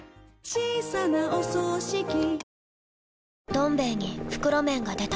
「どん兵衛」に袋麺が出た